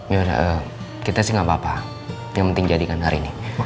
yaudah kita sih gapapa apa yang penting jadikan hari ini